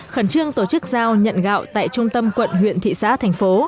khẩn trương tổ chức giao nhận gạo tại trung tâm quận huyện thị xã thành phố